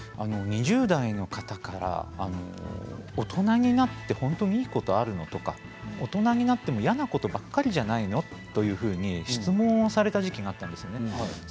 ２０代の方から大人になって本当にいいことがあるの、とか大人になっても嫌なことばっかりなんじゃないの？って質問をされた時期があったんです。